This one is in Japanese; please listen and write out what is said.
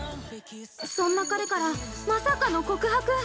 ◆そんな彼から、まさかの告白。